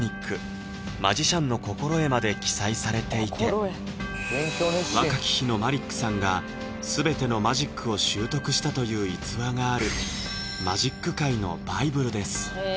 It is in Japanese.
全世界で翻訳され若き日のマリックさんが全てのマジックを習得したという逸話があるマジック界のバイブルです